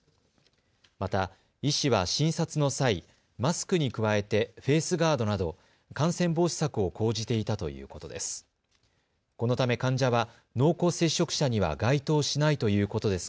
また、医師は診察の際、マスクに加えてフェースガードなど感染防止策を講じていたということです。